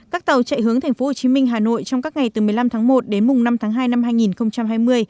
các tàu chạy hướng tp hcm hà nội trong các ngày từ một mươi năm tháng một đến năm tháng hai năm hai nghìn hai mươi